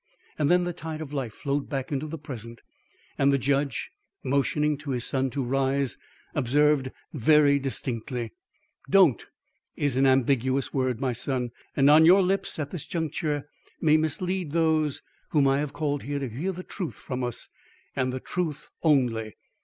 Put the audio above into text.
Then the tide of life flowed back into the present, and the judge, motioning to his son to rise, observed very distinctly: "DON'T is an ambiguous word, my son, and on your lips, at this juncture, may mislead those whom I have called here to hear the truth from us and the truth only.